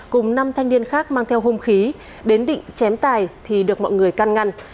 cùng năm thanh niên khác mang theo hung khí đến định chém tài thì được mọi người can ngăn